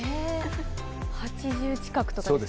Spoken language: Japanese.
８０近くとかですか？